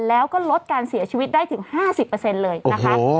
แล้วก็ลดการเสียชีวิตได้ถึง๕๐เลยนะคะ